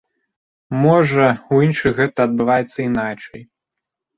Можа, у іншых гэтае адбываецца іначай.